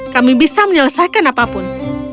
kami bisa menyelesaikan apapun